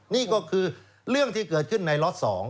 นี่ก็คือเรื่องที่เกิดขึ้นในล็อต๒